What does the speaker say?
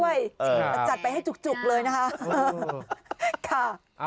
แต่จัดไปให้จุกเลยนะคะ